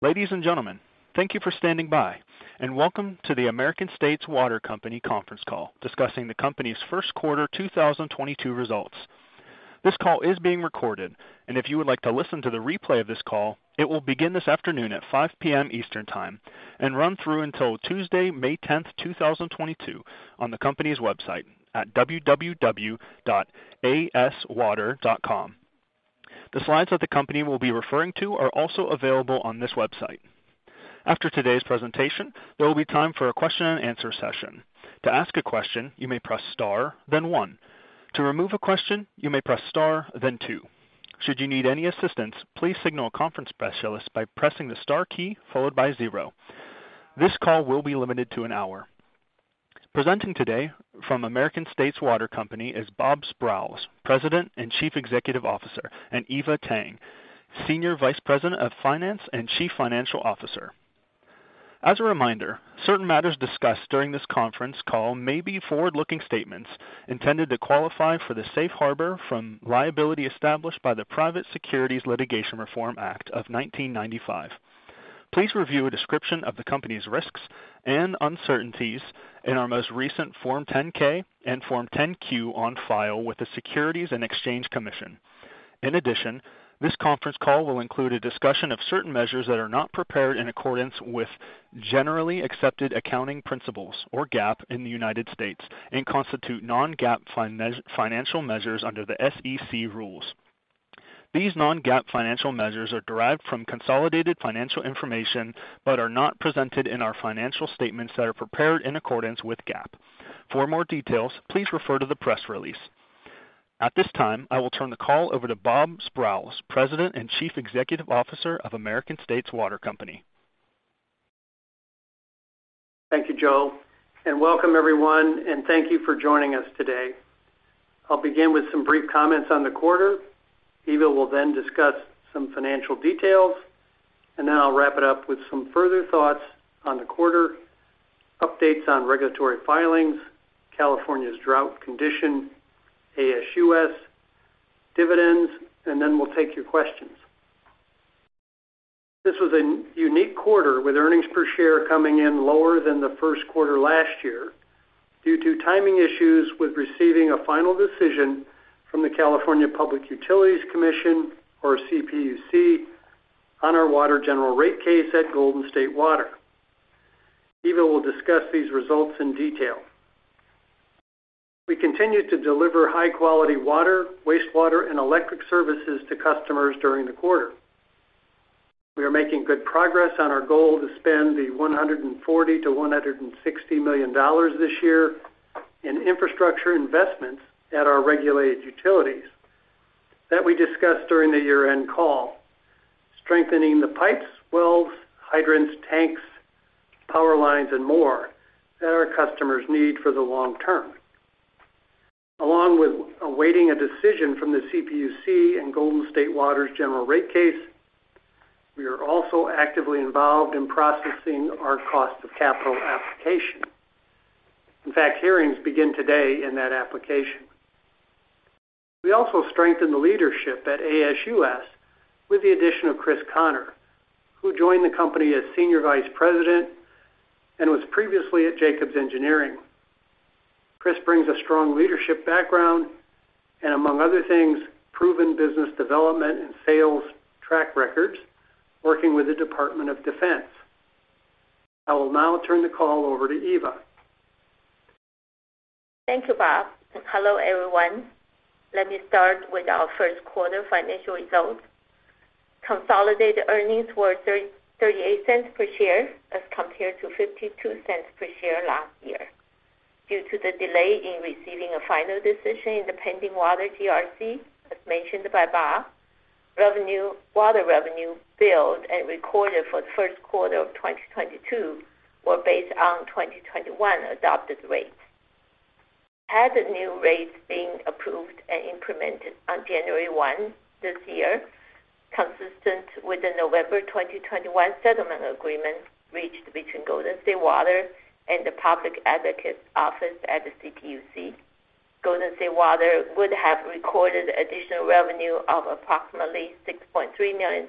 Ladies and gentlemen, thank you for standing by and welcome to the American States Water Company conference call discussing the company's first quarter 2022 results. This call is being recorded, and if you would like to listen to the replay of this call, it will begin this afternoon at 5:00 P.M. Eastern Time and run through until Tuesday, May 10th, 2022 on the company's website at www.aswater.com. The slides that the company will be referring to are also available on this website. After today's presentation, there will be time for a question-and-answer session. To ask a question, you may press star, then one. To remove a question, you may press star, then two. Should you need any assistance, please signal a conference specialist by pressing the star key followed by zero. This call will be limited to an hour. Presenting today from American States Water Company is Bob Sprowls, President and Chief Executive Officer, and Eva Tang, Senior Vice President of Finance and Chief Financial Officer. As a reminder, certain matters discussed during this conference call may be forward-looking statements intended to qualify for the safe harbor from liability established by the Private Securities Litigation Reform Act of 1995. Please review a description of the company's risks and uncertainties in our most recent Form 10-K and Form 10-Q on file with the Securities and Exchange Commission. In addition, this conference call will include a discussion of certain measures that are not prepared in accordance with generally accepted accounting principles, or GAAP, in the United States and constitute non-GAAP financial measures under the SEC rules. These non-GAAP financial measures are derived from consolidated financial information but are not presented in our financial statements that are prepared in accordance with GAAP. For more details, please refer to the press release. At this time, I will turn the call over to Bob Sprowls, President and Chief Executive Officer of American States Water Company. Thank you, Joel, and welcome everyone, and thank you for joining us today. I'll begin with some brief comments on the quarter. Eva will then discuss some financial details, and then I'll wrap it up with some further thoughts on the quarter, updates on regulatory filings, California's drought condition, ASUS, dividends, and then we'll take your questions. This was a unique quarter with earnings per share coming in lower than the first quarter last year due to timing issues with receiving a final decision from the California Public Utilities Commission, or CPUC, on our water general rate case at Golden State Water. Eva will discuss these results in detail. We continue to deliver high-quality water, wastewater, and electric services to customers during the quarter. We are making good progress on our goal to spend $140 million-$160 million this year in infrastructure investments at our regulated utilities that we discussed during the year-end call, strengthening the pipes, wells, hydrants, tanks, power lines, and more that our customers need for the long term. Along with awaiting a decision from the CPUC and Golden State Water's general rate case, we are also actively involved in processing our cost of capital application. In fact, hearings begin today in that application. We also strengthened the leadership at ASUS with the addition of Chris Connor, who joined the company as Senior Vice President and was previously at Jacobs Engineering. Chris brings a strong leadership background and, among other things, proven business development and sales track records working with the Department of Defense. I will now turn the call over to Eva. Thank you, Bob. Hello, everyone. Let me start with our first quarter financial results. Consolidated earnings were $0.38 per share as compared to $0.52 per share last year. Due to the delay in receiving a final decision in the pending water GRC, as mentioned by Bob, revenue, water revenue billed and recorded for the first quarter of 2022 were based on 2021 adopted rates. Had the new rates been approved and implemented on January 1 this year, consistent with the November 2021 settlement agreement reached between Golden State Water and the Public Advocates Office at the CPUC, Golden State Water would have recorded additional revenue of approximately $6.3 million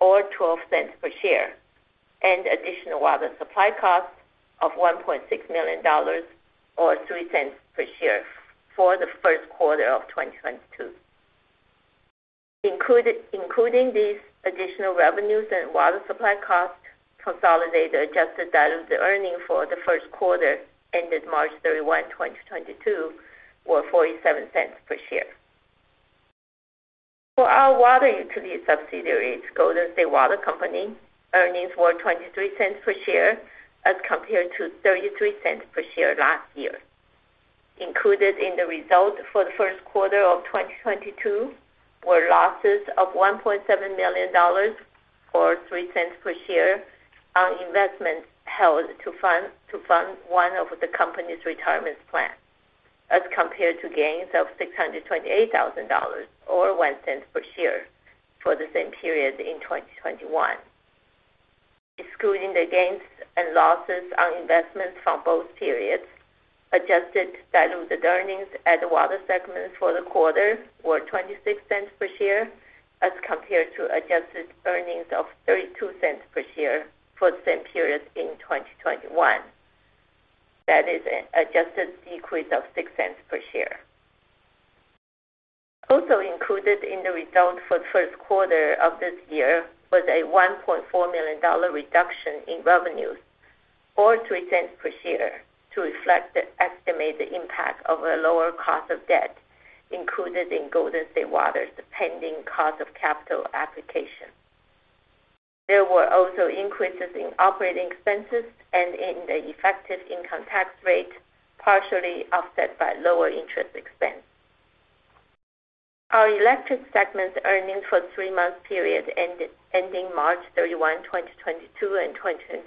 or $0.12 per share and additional water supply costs of $1.6 million or $0.03 per share for the first quarter of 2022. Including these additional revenues and water supply costs, consolidated adjusted earnings for the first quarter ended March 31, 2022 were $0.47 per share. For our water utility subsidiaries, Golden State Water Company earnings were $0.23 per share as compared to $0.33 per share last year. Included in the results for the first quarter of 2022 were losses of $1.7 million, or $0.03 per share, on investments held to fund one of the company's retirement plans, as compared to gains of $628,000, or $0.01 per share, for the same period in 2021. Excluding the gains and losses on investments from both periods, adjusted diluted earnings at the water segment for the quarter were $0.26 per share as compared to adjusted earnings of $0.32 per share for the same period in 2021. That is an adjusted decrease of $0.06 per share. Also included in the result for the first quarter of this year was a $1.4 million reduction in revenues, or $0.03 per share, to reflect the estimated impact of a lower cost of debt included in Golden State Water's pending cost of capital application. There were also increases in operating expenses and in the effective income tax rate, partially offset by lower interest expense. Our electric segment earnings for the three-month period ending March 31, 2022 and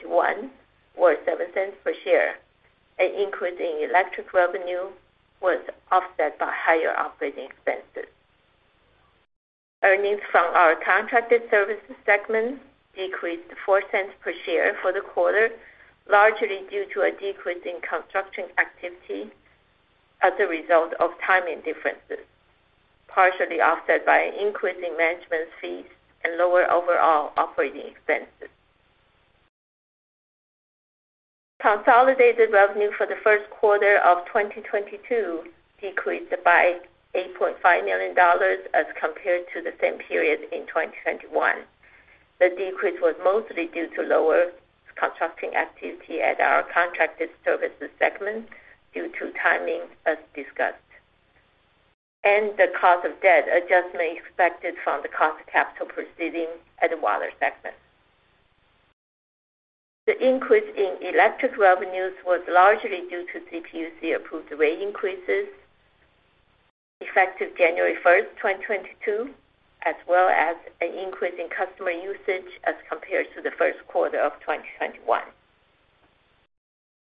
2021 were $0.07 per share. An increase in electric revenue was offset by higher operating expenses. Earnings from our contracted services segment decreased $0.04 per share for the quarter, largely due to a decrease in construction activity as a result of timing differences, partially offset by an increase in management fees and lower overall operating expenses. Consolidated revenue for the first quarter of 2022 decreased by $8.5 million as compared to the same period in 2021. The decrease was mostly due to lower construction activity at our contracted services segment due to timing, as discussed, and the cost of debt adjustment expected from the cost of capital proceeding at the water segment. The increase in electric revenues was largely due to CPUC-approved rate increases effective January 1st, 2022, as well as an increase in customer usage as compared to the first quarter of 2021.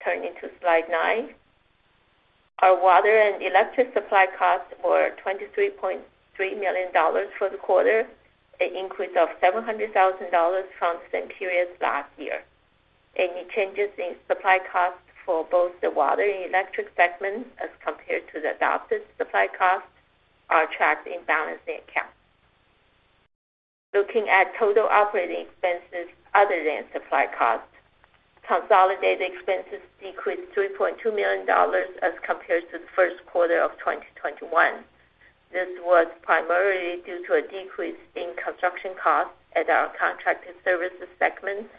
Turning to slide nine. Our water and electric supply costs were $23.3 million for the quarter, an increase of $700,000 from the same period last year. Any changes in supply costs for both the water and electric segments as compared to the adopted supply costs are tracked in balancing accounts. Looking at total operating expenses other than supply costs, consolidated expenses decreased $3.2 million as compared to the first quarter of 2021. This was primarily due to a decrease in construction costs at our contracted services segment,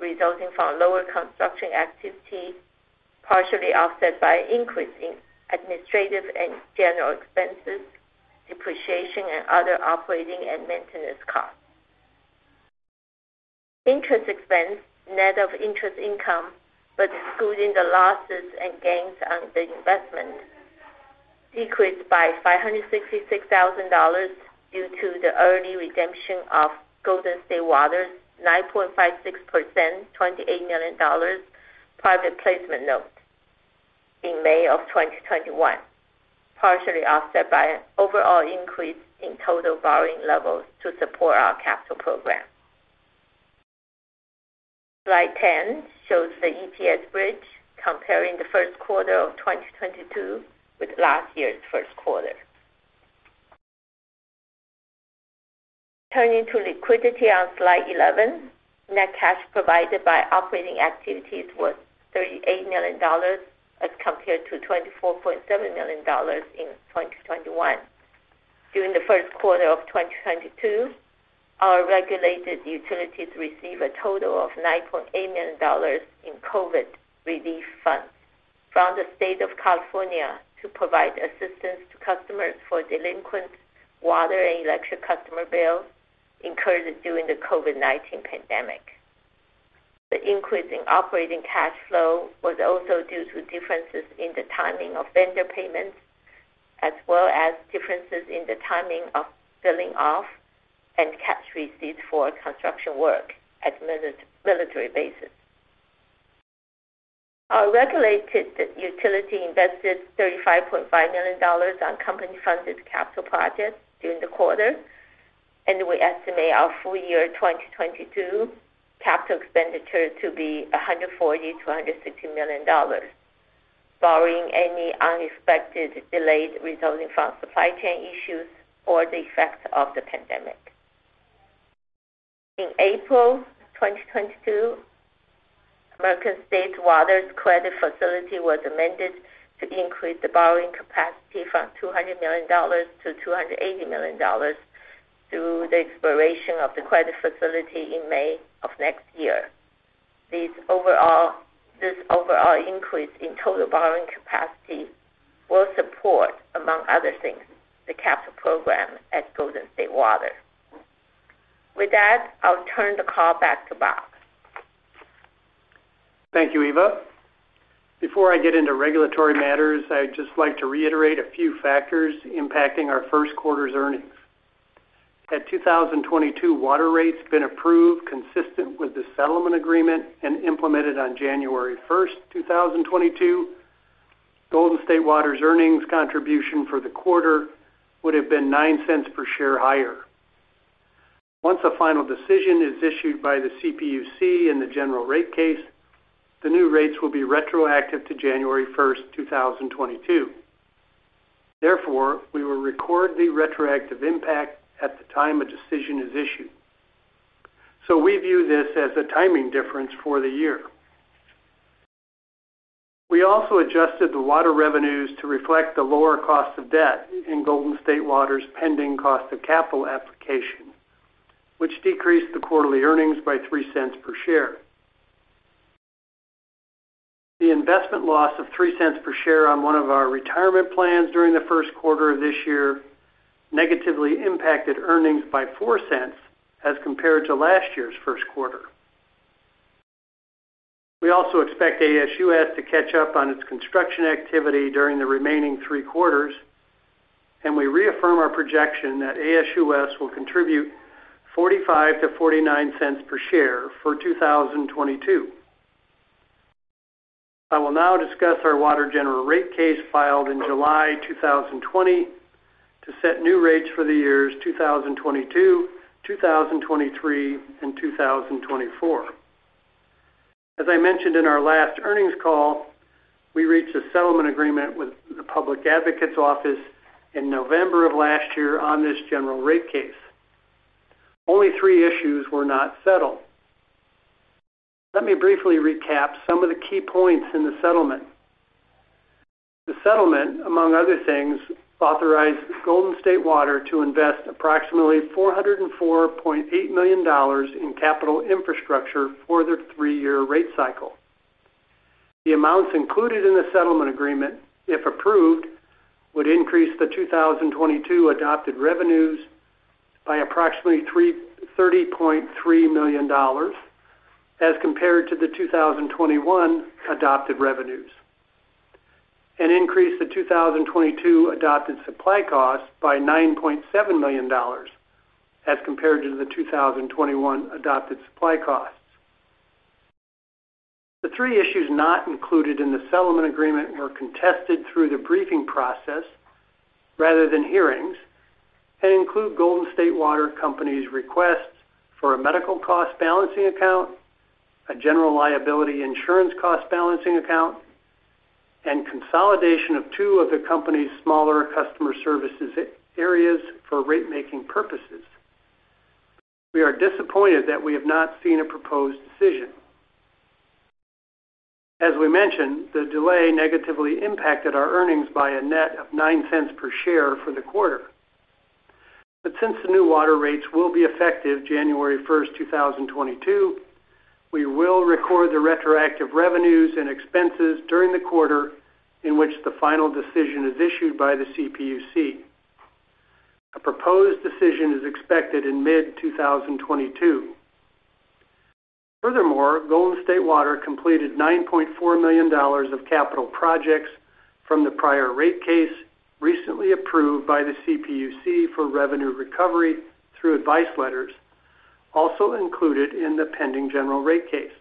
resulting from lower construction activity, partially offset by an increase in administrative and general expenses, depreciation, and other operating and maintenance costs. Interest expense, net of interest income, but excluding the losses and gains on the investment, decreased by $566,000 due to the early redemption of Golden State Water's 9.56%, $28 million private placement note in May of 2021, partially offset by an overall increase in total borrowing levels to support our capital program. Slide 10 shows the EPS bridge comparing the first quarter of 2022 with last year's first quarter. Turning to liquidity on slide 11. Net cash provided by operating activities was $38 million as compared to $24.7 million in 2021. During the first quarter of 2022, our regulated utilities received a total of $9.8 million in COVID relief funds from the state of California to provide assistance to customers for delinquent water and electric customer bills incurred during the COVID-19 pandemic. The increase in operating cash flow was also due to differences in the timing of vendor payments, as well as differences in the timing of billing and cash receipts for construction work at military bases. Our regulated utility invested $35.5 million on company-funded capital projects during the quarter, and we estimate our full year 2022 capital expenditure to be $140 million-$160 million, barring any unexpected delays resulting from supply chain issues or the effects of the pandemic. In April 2022, American States Water's credit facility was amended to increase the borrowing capacity from $200 million to $280 million through the expiration of the credit facility in May of next year. This overall increase in total borrowing capacity will support, among other things, the capital program at Golden State Water. With that, I'll turn the call back to Bob. Thank you, Eva. Before I get into regulatory matters, I'd just like to reiterate a few factors impacting our first quarter's earnings. Had 2022 water rates been approved consistent with the settlement agreement and implemented on January 1st, 2022, Golden State Water's earnings contribution for the quarter would have been $0.09 per share higher. Once a final decision is issued by the CPUC in the general rate case, the new rates will be retroactive to January 1st, 2022. Therefore, we will record the retroactive impact at the time a decision is issued. We view this as a timing difference for the year. We also adjusted the water revenues to reflect the lower cost of debt in Golden State Water's pending cost of capital application, which decreased the quarterly earnings by $0.03 per share. The investment loss of $0.03 per share on one of our retirement plans during the first quarter of this year negatively impacted earnings by $0.04 as compared to last year's first quarter. We also expect ASUS to catch up on its construction activity during the remaining three quarters, and we reaffirm our projection that ASUS will contribute $0.45-$0.49 per share for 2022. I will now discuss our water general rate case filed in July 2020 to set new rates for the years 2022, 2023, and 2024. As I mentioned in our last earnings call, we reached a settlement agreement with the Public Advocates Office in November of last year on this general rate case. Only three issues were not settled. Let me briefly recap some of the key points in the settlement. The settlement, among other things, authorized Golden State Water to invest approximately $404.8 million in capital infrastructure for the three-year rate cycle. The amounts included in the settlement agreement, if approved, would increase the 2022 adopted revenues by approximately $330.3 million as compared to the 2021 adopted revenues, and increase the 2022 adopted supply costs by $9.7 million as compared to the 2021 adopted supply costs. The three issues not included in the settlement agreement were contested through the briefing process rather than hearings, and include Golden State Water Company's requests for a medical cost balancing account, a general liability insurance cost balancing account, and consolidation of two of the company's smaller customer service areas for rate-making purposes. We are disappointed that we have not seen a proposed decision. As we mentioned, the delay negatively impacted our earnings by a net of $0.09 per share for the quarter. Since the new water rates will be effective January 1st, 2022, we will record the retroactive revenues and expenses during the quarter in which the final decision is issued by the CPUC. A proposed decision is expected in mid-2022. Furthermore, Golden State Water completed $9.4 million of capital projects from the prior rate case recently approved by the CPUC for revenue recovery through advice letters, also included in the pending general rate case.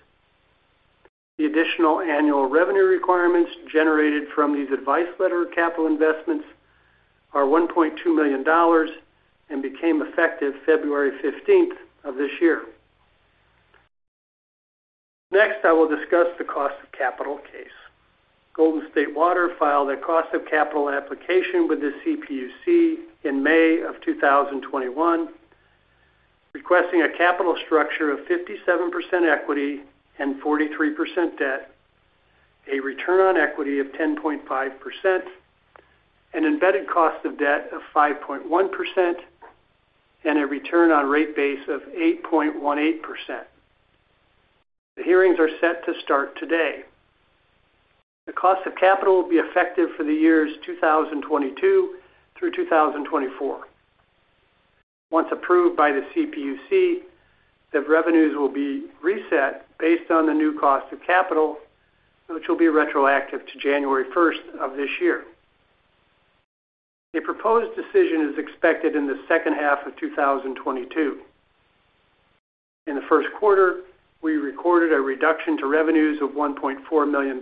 The additional annual revenue requirements generated from these advice letter capital investments are $1.2 million and became effective February 15th of this year. Next, I will discuss the cost of capital case. Golden State Water filed a cost of capital application with the CPUC in May of 2021, requesting a capital structure of 57% equity and 43% debt, a return on equity of 10.5%, an embedded cost of debt of 5.1%, and a return on rate base of 8.18%. The hearings are set to start today. The cost of capital will be effective for the years 2022 through 2024. Once approved by the CPUC, the revenues will be reset based on the new cost of capital, which will be retroactive to January 1st of this year. A proposed decision is expected in the second half of 2022. In the first quarter, we recorded a reduction to revenues of $1.4 million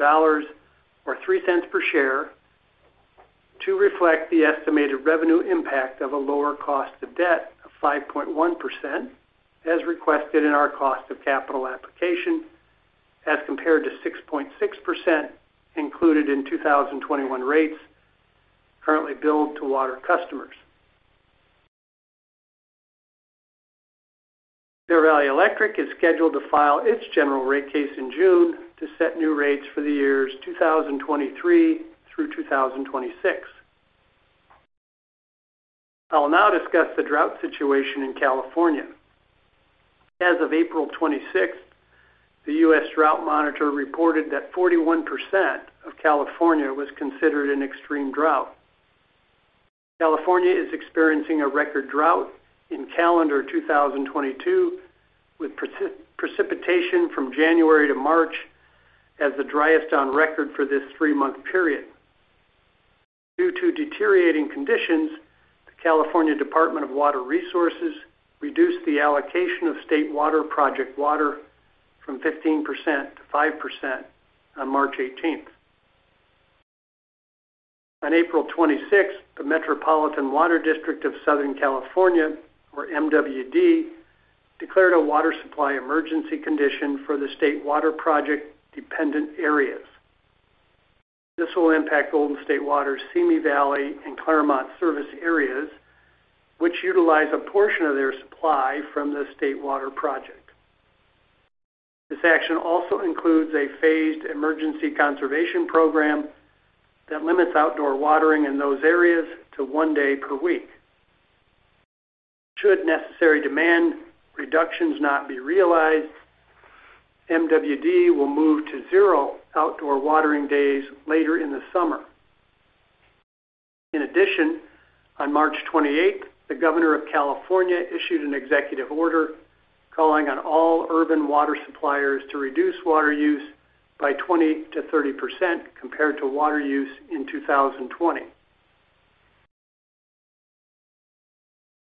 or $0.03 per share to reflect the estimated revenue impact of a lower cost of debt of 5.1%, as requested in our cost of capital application, as compared to 6.6% included in 2021 rates currently billed to water customers. Bear Valley Electric is scheduled to file its general rate case in June to set new rates for the years 2023 through 2026. I will now discuss the drought situation in California. As of April 26th, the U.S. Drought Monitor reported that 41% of California was considered an extreme drought. California is experiencing a record drought in calendar 2022, with precipitation from January to March as the driest on record for this three-month period. Due to deteriorating conditions, the California Department of Water Resources reduced the allocation of State Water Project water from 15% to 5% on March 18th. On April 26th, the Metropolitan Water District of Southern California, or MWD, declared a water supply emergency condition for the State Water Project dependent areas. This will impact Golden State Water's Simi Valley and Claremont service areas, which utilize a portion of their supply from the State Water Project. This action also includes a phased emergency conservation program that limits outdoor watering in those areas to one day per week. Should necessary demand reductions not be realized, MWD will move to zero outdoor watering days later in the summer. In addition, on March 28th, the Governor of California issued an executive order calling on all urban water suppliers to reduce water use by 20%-30% compared to water use in 2020.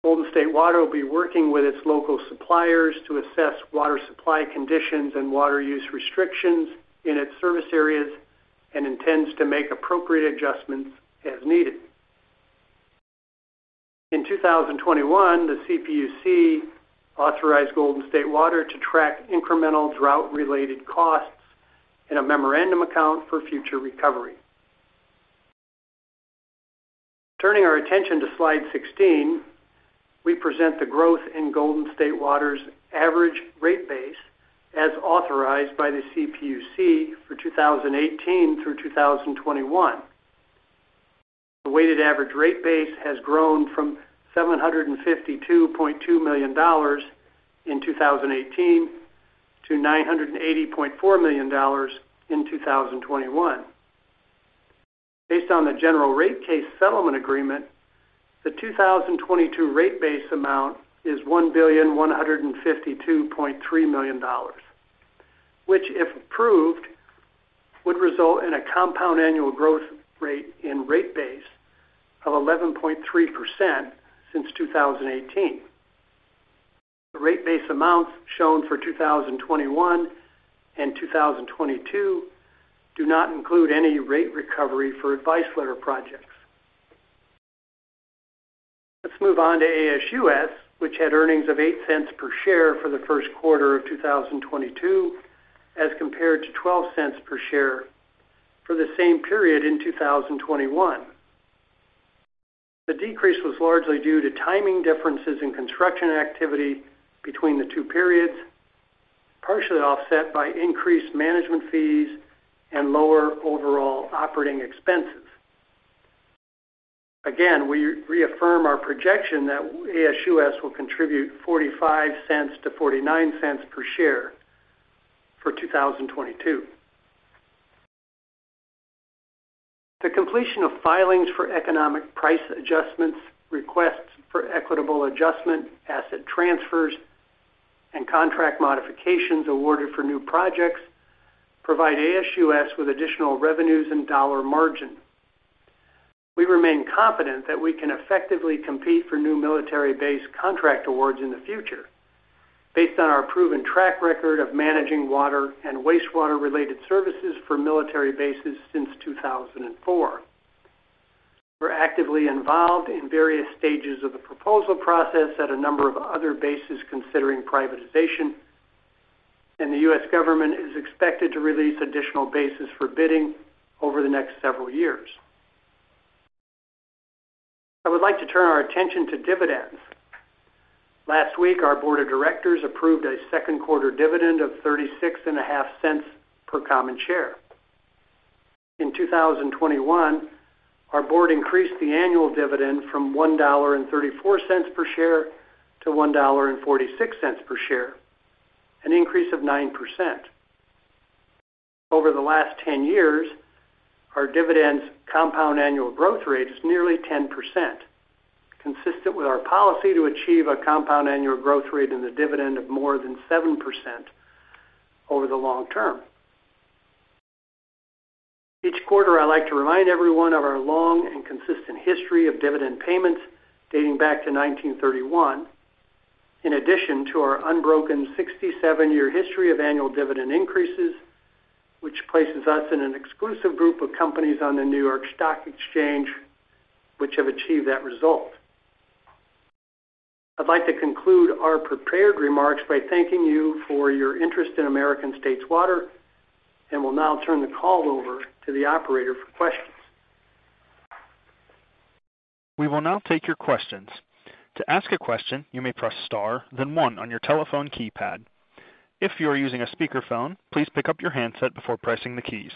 Golden State Water will be working with its local suppliers to assess water supply conditions and water use restrictions in its service areas and intends to make appropriate adjustments as needed. In 2021, the CPUC authorized Golden State Water to track incremental drought-related costs in a memorandum account for future recovery. Turning our attention to slide 16, we present the growth in Golden State Water's average rate base as authorized by the CPUC for 2018 through 2021. The weighted average rate base has grown from $752.2 million in 2018 to $980.4 million in 2021. Based on the general rate case settlement agreement, the 2022 rate base amount is $1,152.3 million, which, if approved, would result in a compound annual growth rate in rate base of 11.3% since 2018. The rate base amounts shown for 2021 and 2022 do not include any rate recovery for advice letter projects. Let's move on to ASUS, which had earnings of $0.08 per share for the first quarter of 2022, as compared to $0.12 per share for the same period in 2021. The decrease was largely due to timing differences in construction activity between the two periods, partially offset by increased management fees and lower overall operating expenses. Again, we reaffirm our projection that ASUS will contribute $0.45-$0.49 per share for 2022. The completion of filings for economic price adjustments, requests for equitable adjustment, asset transfers, and contract modifications awarded for new projects provide ASUS with additional revenues and dollar margin. We remain confident that we can effectively compete for new military base contract awards in the future based on our proven track record of managing water and wastewater-related services for military bases since 2004. We're actively involved in various stages of the proposal process at a number of other bases considering privatization, and the U.S. government is expected to release additional bases for bidding over the next several years. I would like to turn our attention to dividends. Last week, our board of directors approved a second quarter dividend of $0.365 per common share. In 2021, our board increased the annual dividend from $1.34 per share to $1.46 per share, an increase of 9%. Over the last 10 years, our dividend's compound annual growth rate is nearly 10%, consistent with our policy to achieve a compound annual growth rate in the dividend of more than 7% over the long term. Each quarter, I like to remind everyone of our long and consistent history of dividend payments dating back to 1931, in addition to our unbroken 67-year history of annual dividend increases, which places us in an exclusive group of companies on the New York Stock Exchange which have achieved that result. I'd like to conclude our prepared remarks by thanking you for your interest in American States Water and will now turn the call over to the operator for questions. We will now take your questions. To ask a question, you may press star then one on your telephone keypad. If you are using a speakerphone, please pick up your handset before pressing the keys.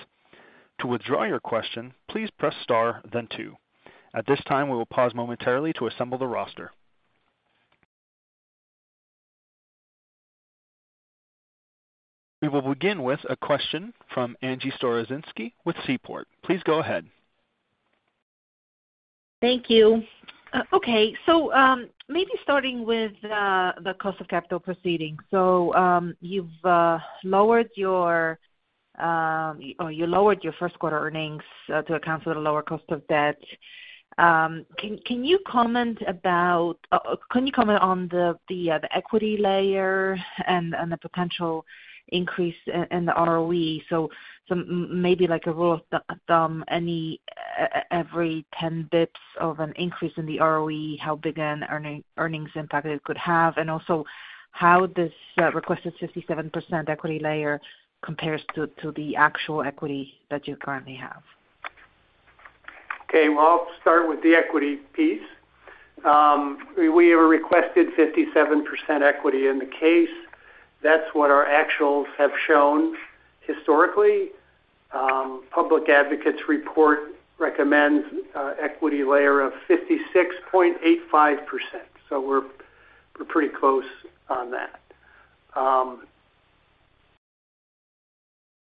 To withdraw your question, please press star then two. At this time, we will pause momentarily to assemble the roster. We will begin with a question from Angie Storozynski with Seaport. Please go ahead. Thank you. Okay. Maybe starting with the cost of capital proceeding. You've lowered your first quarter earnings to account for the lower cost of debt. Can you comment on the equity layer and the potential increase in the ROE? Maybe like a rule of thumb, every ten basis points of an increase in the ROE, how big an earnings impact it could have? And also how this requested 57% equity layer compares to the actual equity that you currently have. Okay, well, I'll start with the equity piece. We have requested 57% equity in the case. That's what our actuals have shown historically. Public Advocates report recommends equity layer of 56.85%. We're pretty close on that.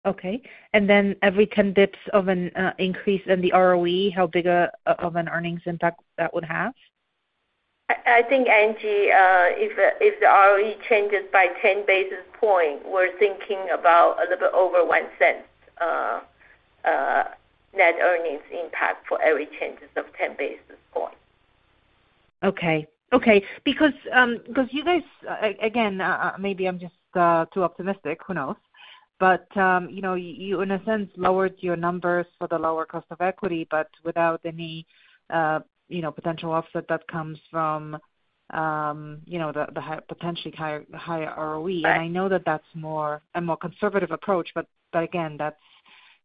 Okay. Every 10 basis points of an increase in the ROE, how big of an earnings impact that would have? I think, Angie, if the ROE changes by 10 basis point, we're thinking about a little bit over $0.01 net earnings impact for every changes of 10 basis point. Okay. Okay, because you guys again maybe I'm just too optimistic, who knows, but you know, you in a sense lowered your numbers for the lower cost of equity, but without any you know potential offset that comes from you know the potentially higher ROE. I know that's a more conservative approach, but again, that's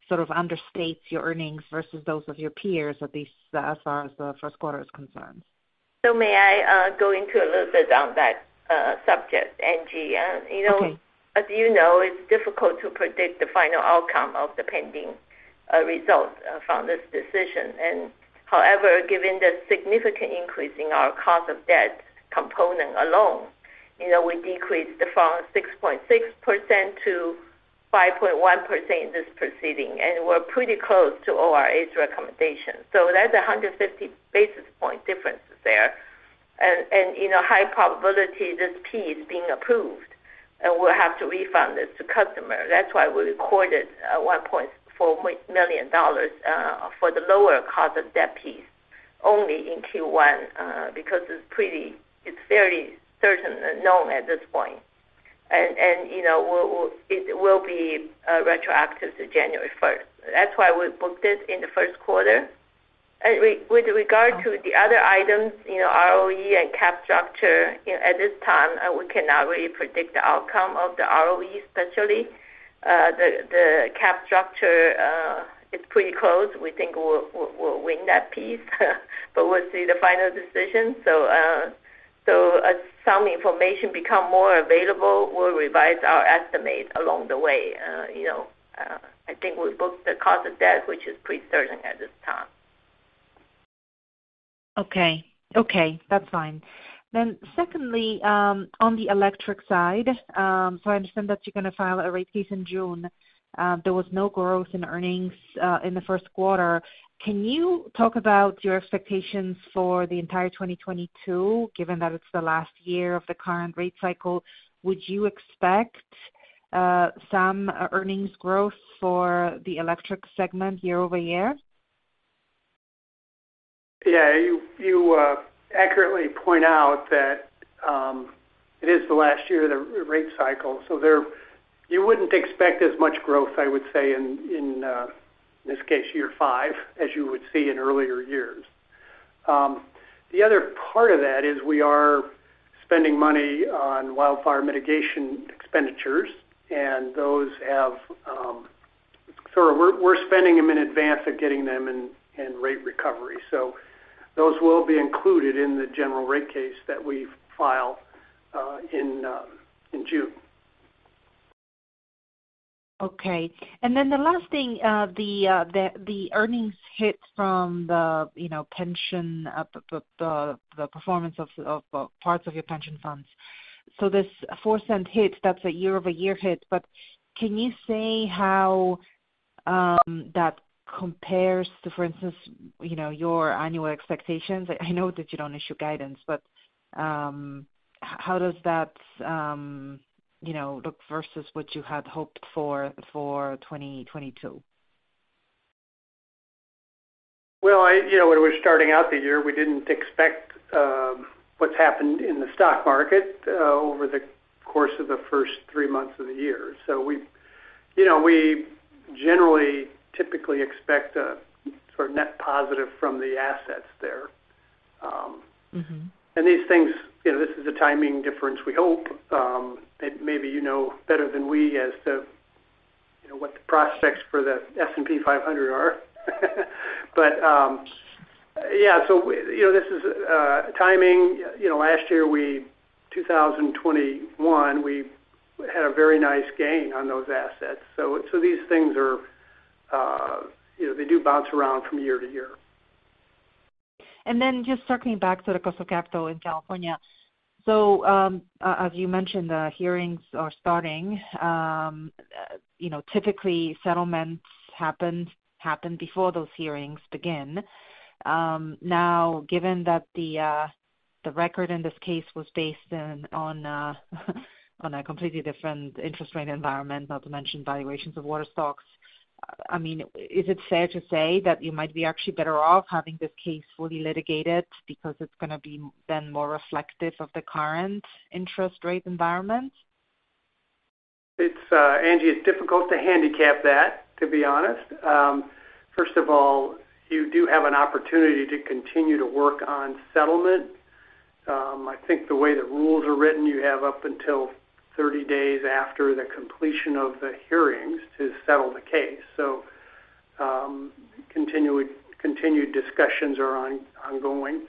sort of understates your earnings versus those of your peers, at least as far as the first quarter is concerned. May I go into a little bit on that subject, Angie? Okay. You know, as you know, it's difficult to predict the final outcome of the pending result from this decision. However, given the significant increase in our cost of debt component alone, you know, we decreased from 6.6% to 5.1% in this proceeding, and we're pretty close to ORA's recommendation. So that's 150 basis point differences there. You know, high probability this piece being approved, and we'll have to refund this to customer. That's why we recorded $1.4 million for the lower cost of debt piece only in Q1 because it's very certain and known at this point. You know, it will be retroactive to January 1st. That's why we booked it in the first quarter. With regard to the other items, you know, ROE and cap structure, you know, at this time, we cannot really predict the outcome of the ROE, especially. The cap structure is pretty close. We think we'll win that piece. But we'll see the final decision. As some information become more available, we'll revise our estimate along the way. You know, I think we booked the cost of debt, which is pretty certain at this time. Okay, that's fine. Secondly, on the electric side, so I understand that you're gonna file a rate case in June. There was no growth in earnings in the first quarter. Can you talk about your expectations for the entire 2022, given that it's the last year of the current rate cycle? Would you expect some earnings growth for the electric segment year-over-year? Yeah, you accurately point out that it is the last year of the rate cycle. You wouldn't expect as much growth, I would say, in this case, year five, as you would see in earlier years. The other part of that is we are spending money on wildfire mitigation expenditures. We're spending them in advance of getting them in rate recovery. Those will be included in the general rate case that we file in June. Okay. The last thing, the earnings hit from the, you know, pension, the performance of parts of your pension funds. This $0.04 hit, that's a year-over-year hit, but can you say how that compares to, for instance, you know, your annual expectations? I know that you don't issue guidance, but how does that, you know, look versus what you had hoped for for 2022? Well, I, you know, when we're starting out the year, we didn't expect, what's happened in the stock market, over the course of the first three months of the year. we, you know, we generally typically expect a sort of net positive from the assets there. Mm-hmm. These things, you know, this is a timing difference we hope, and maybe you know better than we as to, you know, what the prospects for the S&P 500 are. Yeah, so, you know, this is timing. You know, last year, 2021, we had a very nice gain on those assets. These things are, you know, they do bounce around from year to year. Just circling back to the cost of capital in California. So, as you mentioned, the hearings are starting. You know, typically settlements happen before those hearings begin. Now, given that the record in this case was based on a completely different interest rate environment, not to mention valuations of water stocks, I mean, is it fair to say that you might be actually better off having this case fully litigated because it's gonna be then more reflective of the current interest rate environment? It's Angie, it's difficult to handicap that, to be honest. First of all, you do have an opportunity to continue to work on settlement. I think the way the rules are written, you have up until 30 days after the completion of the hearings to settle the case. Continued discussions are ongoing.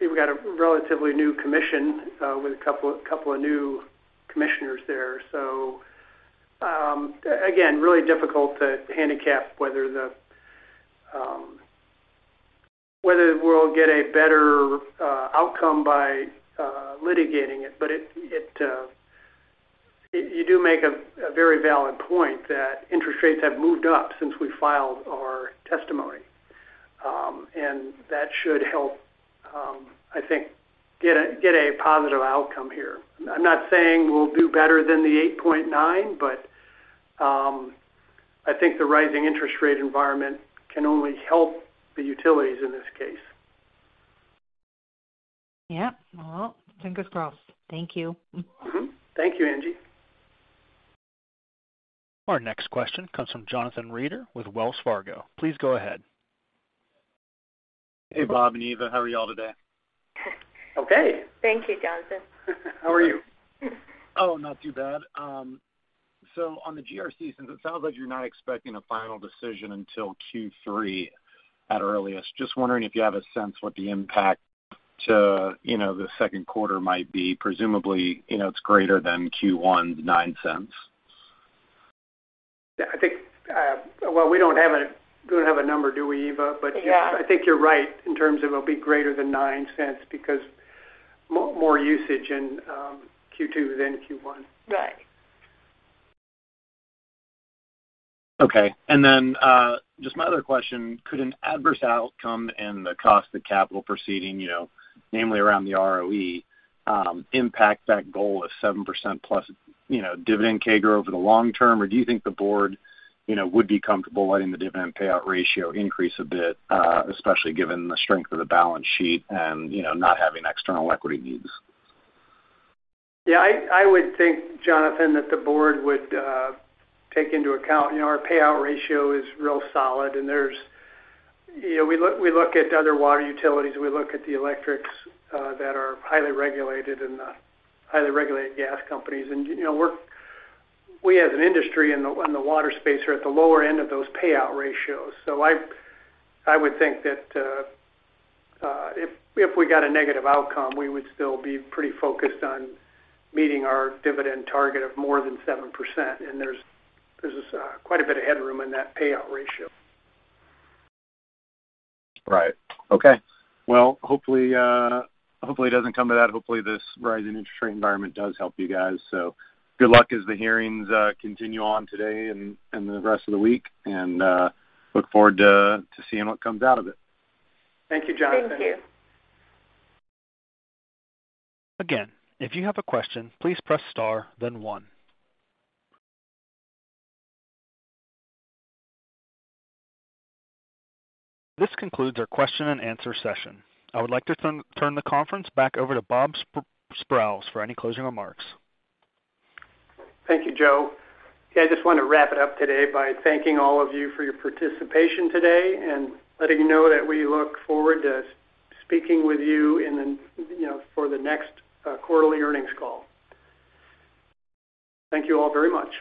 We've got a relatively new commission with a couple of new commissioners there. Again, really difficult to handicap whether we'll get a better outcome by litigating it. You do make a very valid point that interest rates have moved up since we filed our testimony. That should help, I think, get a positive outcome here. I'm not saying we'll do better than the 8.9%, but I think the rising interest rate environment can only help the utilities in this case. Yeah. Well, fingers crossed. Thank you. Mm-hmm. Thank you, Angie. Our next question comes from Jonathan Reeder with Wells Fargo. Please go ahead. Hey, Bob and Eva. How are y'all today? Okay. Thank you, Jonathan. How are you? Not too bad. On the GRC, since it sounds like you're not expecting a final decision until Q3 at earliest, just wondering if you have a sense what the impact to, you know, the second quarter might be. Presumably, you know, it's greater than Q1 $0.09. Yeah, I think. Well, we don't have a number, do we, Eva? But- Yeah. I think you're right in terms of it'll be greater than $0.09 because more usage in Q2 than Q1. Right. Okay. Just my other question, could an adverse outcome in the cost of capital proceeding, you know, namely around the ROE, impact that goal of 7%+, you know, dividend CAGR over the long term? Or do you think the board, you know, would be comfortable letting the dividend payout ratio increase a bit, especially given the strength of the balance sheet and, you know, not having external equity needs? Yeah, I would think, Jonathan, that the board would take into account. You know, our payout ratio is real solid and there's. You know, we look at other water utilities, we look at the electrics that are highly regulated and highly regulated gas companies. You know, we as an industry in the water space are at the lower end of those payout ratios. I would think that if we got a negative outcome, we would still be pretty focused on meeting our dividend target of more than 7%. There's quite a bit of headroom in that payout ratio. Right. Okay. Well, hopefully it doesn't come to that. Hopefully, this rising interest rate environment does help you guys. Good luck as the hearings continue on today and the rest of the week. Look forward to seeing what comes out of it. Thank you, Jonathan. Thank you. Again, if you have a question, please press star then one. This concludes our question-and-answer session. I would like to turn the conference back over to Bob Sprowls for any closing remarks. Thank you, Joel. Yeah, I just want to wrap it up today by thanking all of you for your participation today and letting you know that we look forward to speaking with you in an, you know, for the next quarterly earnings call. Thank you all very much.